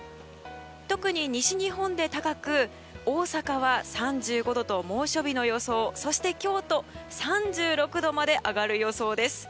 特に西日本で高く大阪は３５度と猛暑日の予想そして京都３６度まで上がる予想です。